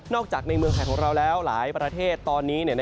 จากในเมืองไทยของเราแล้วหลายประเทศตอนนี้